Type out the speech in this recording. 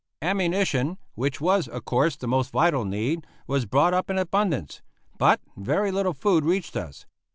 Ammunition, which was, of course, the most vital need, was brought up in abundance; but very little food reached us.